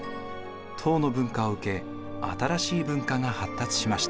唐の文化を受け新しい文化が発達しました。